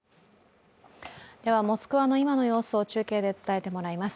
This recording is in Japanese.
モスクワの今の様子を中継で伝えてもらいます。